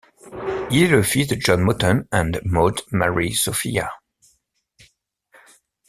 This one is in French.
Il est le fils de John Moten and Maude Mary Sophia.